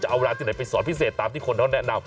เอาเวลาที่ไหนไปสอนพิเศษตามที่คนเขาแนะนำ